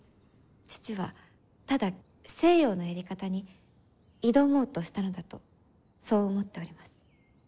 父はただ西洋のやり方に挑もうとしたのだとそう思っております。